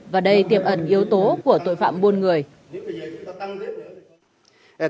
và đây tiềm ẩn yếu tố của tội phạm buôn người